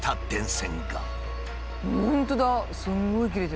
本当だ！